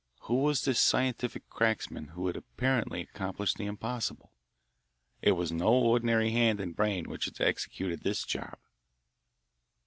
Who was this scientific cracksman who had apparently accomplished the impossible? It was no ordinary hand and brain which had executed this "job."